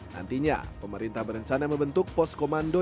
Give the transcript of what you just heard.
nantinya pemerintah berencana membentuk pos komando